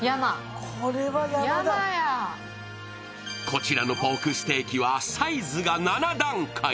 こちらのポークステーキはサイズが７段階。